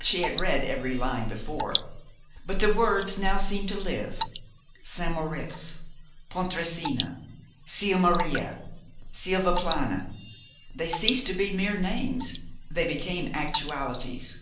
She had read every line before; but the words now seemed to live. St. Moritz, Pontresina, Sils Maria, Silvaplana, they ceased to be mere names, they became actualities.